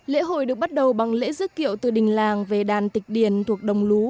lễ hội được bắt đầu bằng lễ dứt kiệu từ đình làng về đàn tịch điền thuộc đồng lú